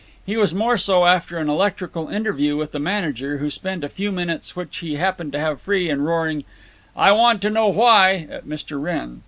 He was more so after an electrical interview with the manager, who spent a few minutes, which he happened to have free, in roaring "I want to know why" at Mr. Wrenn.